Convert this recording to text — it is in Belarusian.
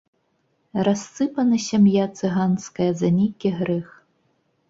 Рассыпана сям'я цыганская за нейкі грэх.